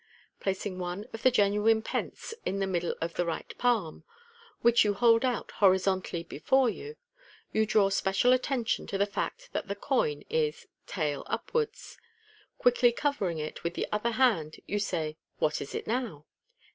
Placing one of the genuine pence on the middle of the right palm, which you hold out horizontally before you, you draw special attention to the fact that the coin is (say) "tail " upwards. Quickly covering it with the other hand, you say, " What is it now